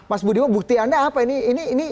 mas budiwa bukti anda apa ini